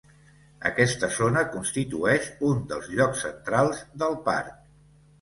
Aquesta zona constitueix un dels llocs centrals del parc.